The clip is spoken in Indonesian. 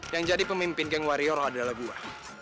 yang jadi pemimpin geng warior adalah gue